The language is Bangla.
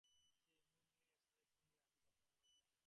সেই মিল নিয়ে স্যারের সঙ্গে আমি কথা বলব।